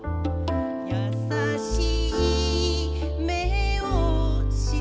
「やさしい目をしてる」